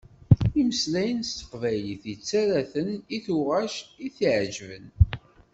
Imeslayen s teqbaylit yettarra-ten i tuγac i t-iεjeben.